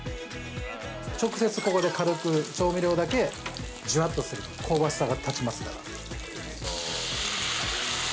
◆直接、ここで軽く調味料だけじゅわっとすると香ばしさが立ちますから。